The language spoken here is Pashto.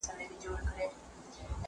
زه اوبه نه پاکوم؟!